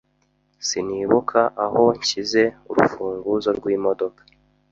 Sinibuka aho nshyize urufunguzo rwimodoka.